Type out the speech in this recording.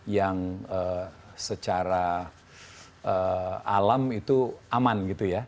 yang secara alam itu aman gitu ya